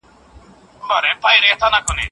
هندوستانی مېړۀ به وکړم